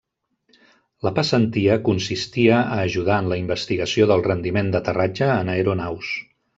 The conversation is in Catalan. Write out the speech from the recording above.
La passantia consistia a ajudar en la investigació del rendiment d'aterratge en aeronaus.